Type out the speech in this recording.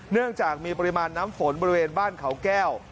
เนื่องจากมีปริมาณน้ำฝนบริเวณบ้านเขาแก้ว